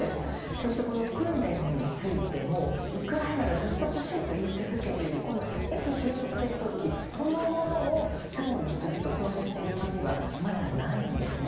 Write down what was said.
そして、訓練についてもウクライナがずっと欲しいと言い続けているＦ１６戦闘機そのものを供与すると表明している国はまだないんですね。